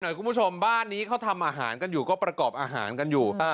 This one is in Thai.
คุณผู้ชมบ้านนี้เขาทำอาหารกันอยู่ก็ประกอบอาหารกันอยู่